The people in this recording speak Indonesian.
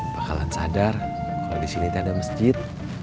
bakalan sadar kalo di sini tidak ada masjid